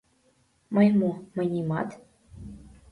— Мый мо, мый нимат.